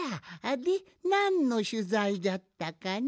でなんのしゅざいじゃったかの？